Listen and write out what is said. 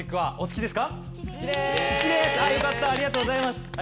よかったありがとうございます。